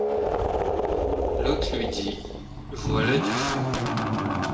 L’hôte lui dit: — Voilà du feu.